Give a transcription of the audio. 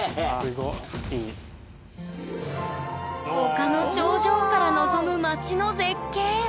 丘の頂上から望む街の絶景。